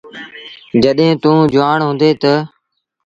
جڏهيݩٚ توٚنٚ جُوآڻ هُنٚدي تا